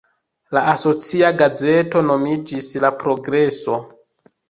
La asocia gazeto nomiĝis "La Progreso".